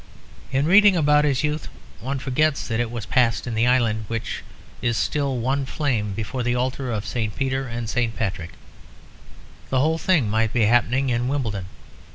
In reading about his youth, one forgets that it was passed in the island which is still one flame before the altar of St. Peter and St. Patrick. The whole thing might be happening in Wimbledon.